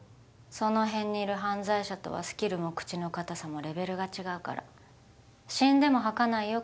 その辺にいる犯罪者とはスキルも口の堅さもレベルが違うから死んでも吐かないよ